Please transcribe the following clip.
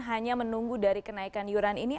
hanya menunggu dari kenaikan iuran ini